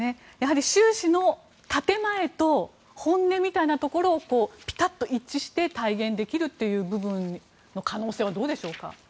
習氏の建前と本音みたいなところをピタッと一致して体現できるという部分の可能性はどうでしょうか。